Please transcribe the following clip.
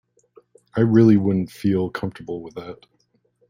I really wouldn't feel comfortable with that.